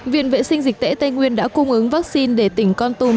viện vệ sinh dịch tễ tây nguyên đã cung ứng vaccine để tỉnh con tum